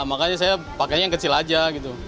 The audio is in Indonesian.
makanya saya pakainya yang kecil aja gitu